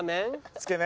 つけ麺。